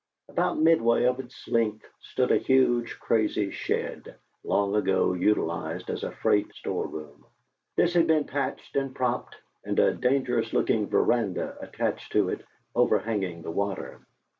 About midway of its length stood a huge, crazy shed, long ago utilized as a freight storeroom. This had been patched and propped, and a dangerous looking veranda attached to it, over hanging the water.